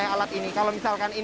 apa yang dilakukan